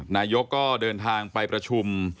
นายกก็เดินทางไปประชุม